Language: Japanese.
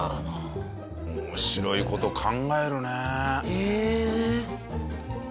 面白い事考えるね。